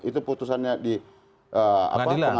itu putusannya di pengadilan